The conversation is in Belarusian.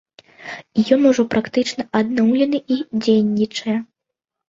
І ён ужо практычна адноўлены і дзейнічае.